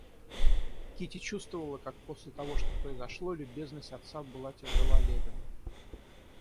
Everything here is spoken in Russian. Кити чувствовала, как после того, что произошло, любезность отца была тяжела Левину.